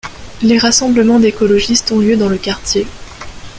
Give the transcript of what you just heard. Les rassemblements d'écologistes ont lieu dans le quartier.